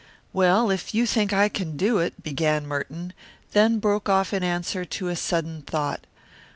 "Well, if you think I can do it," began Merton, then broke off in answer to a sudden thought.